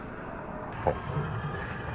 あっ。